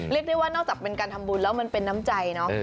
เรียกได้ว่านอกจากเป็นการทำบุญแล้วมันเป็นน้ำใจเนาะ